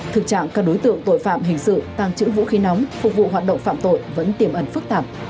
thực trạng các đối tượng tội phạm hình sự tăng trữ vũ khí nóng phục vụ hoạt động phạm tội vẫn tiềm ẩn phức tạp